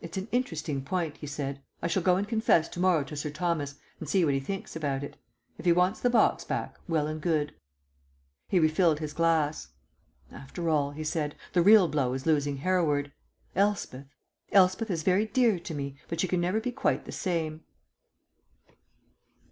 "It's an interesting point," he said. "I shall go and confess to morrow to Sir Thomas, and see what he thinks about it. If he wants the box back, well and good." He refilled his glass. "After all," he said, "the real blow is losing Hereward. Elspeth Elspeth is very dear to me, but she can never be quite the same."